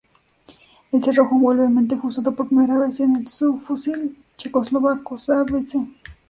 El cerrojo envolvente fue usado por primera vez en el subfusil checoslovaco Sa vz.